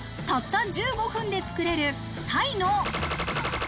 たった１５分で作れるタイの。